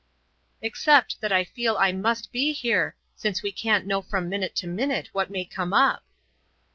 "Except that I feel I must be here, because we can't know from minute to minute what may come up."